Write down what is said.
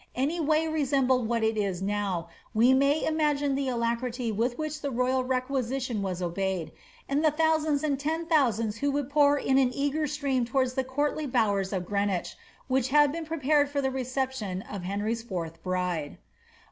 any way resem bled what it is now, we may imagine tlie alacrity with which the royal requisition was obeyed, and the thousands and tens of thousands who would pour in an eager stream towards the courtly bowers of Green wich, which had been prepared for the reception of Henry's fourth bride.